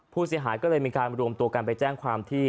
ผู้เสียหายก็เลยมีการรวมตัวกันไปแจ้งความที่